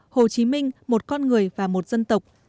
hồ chí minh một con người và một dân tộc